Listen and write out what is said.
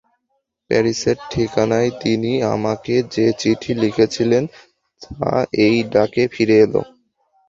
প্যারিসের ঠিকানায় তিনি আমাকে যে চিঠি লিখেছিলেন, তা এই ডাকে ফিরে এল।